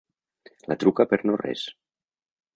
La truca per no res.